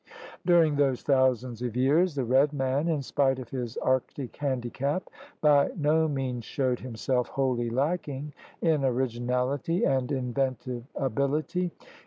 During those thousands of years the red man, in spite of his Arctic handicap, by no means showed himself wholly lacking in originality and inventive ability.